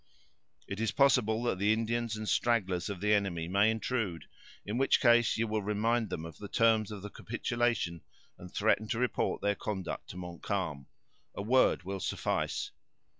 "It is possible that the Indians and stragglers of the enemy may intrude, in which case you will remind them of the terms of the capitulation, and threaten to report their conduct to Montcalm. A word will suffice."